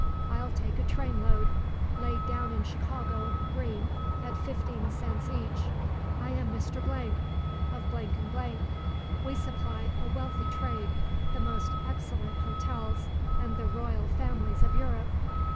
I'll take a train load, laid down in Chicago, green, at fifteen cents each. I am Mr. Blank of Blank & Blank. We supply a wealthy trade, the most excellent hotels and the royal families of Europe.